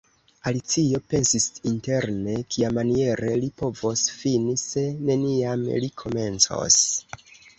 Alicio pensis interne, "Kiamaniere li povos fini, se neniam li komencos. »